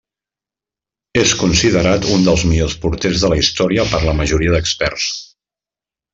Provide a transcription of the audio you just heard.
És considerat un dels millors porters de la història per la majoria d'experts.